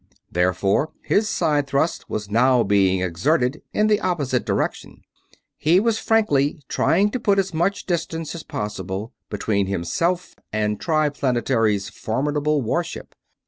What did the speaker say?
Therefore his side thrust was now being exerted in the opposite direction; he was frankly trying to put as much distance as possible between himself and Triplanetary's formidable warship.